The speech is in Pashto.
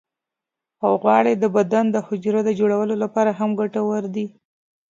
غوړې د بدن د حجرو د جوړولو لپاره هم ګټورې دي.